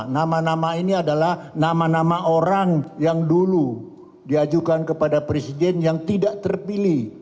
nama nama ini adalah nama nama orang yang dulu diajukan kepada presiden yang tidak terpilih